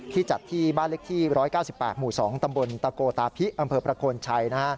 จัดที่บ้านเล็กที่๑๙๘หมู่๒ตำบลตะโกตาพิอำเภอประโคนชัย